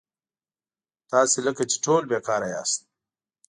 تاسي لکه چې ټول بېکاره یاست.